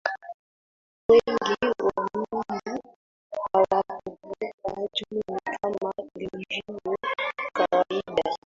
Wengi wa nyumbu hawakuvuka Juni kama ilivyo kawaida